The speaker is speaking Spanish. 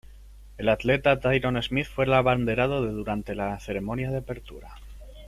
El atleta Tyrone Smith fue el abanderado de durante la ceremonia de apertura.